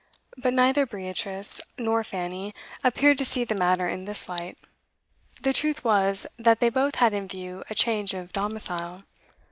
But neither Beatrice nor Fanny appeared to see the matter in this light. The truth was, that they both had in view a change of domicile.